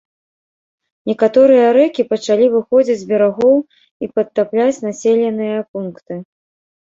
Некаторыя рэкі пачалі выходзіць з берагоў і падтапляць населеныя пункты.